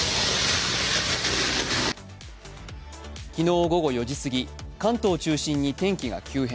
昨日、午後４時すぎ関東を中心に天気が急変。